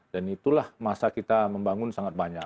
dan itulah masa kita membangun sangat banyak